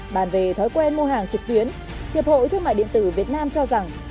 bàn về thói quen mua hàng trực tuyến hiệp hội thương mại điện tử việt nam cho rằng